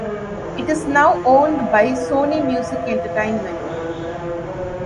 It is now owned by Sony Music Entertainment.